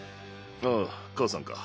ああ母さんか。